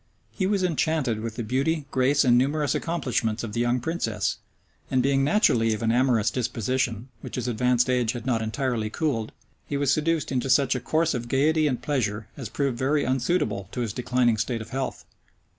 He was enchanted with the beauty, grace, and numerous accomplishments of the young princess; and being naturally of an amorous disposition, which his advanced age had not entirely cooled, he was seduced into such a course of gayety and pleasure, as proved very unsuitable to his declining state of health.